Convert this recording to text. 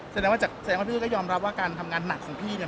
แสดงว่าแสดงว่าพี่ก็ยอมรับว่าการทำงานหนักของพี่เนี่ย